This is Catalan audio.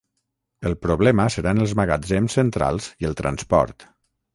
El problema seran els magatzems centrals i el transport.